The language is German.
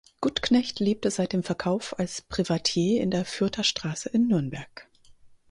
Guttknecht lebte seit dem Verkauf als Privatier in der Fürther Straße in Nürnberg.